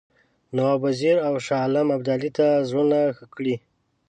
نواب وزیر او شاه عالم ابدالي ته زړونه ښه کړي.